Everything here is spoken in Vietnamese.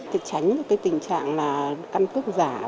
tránh được cái tình trạng là căn cức giả